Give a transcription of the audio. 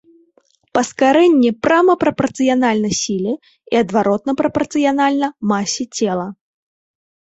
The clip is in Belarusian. Паскарэнне прама прапарцыянальна сіле і адваротна прапарцыянальна масе цела.